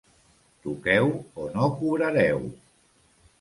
Toqueu o no cobrareu.